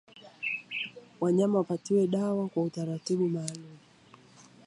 Wanyama wapatiwe dawa kwa utaratibu maalumu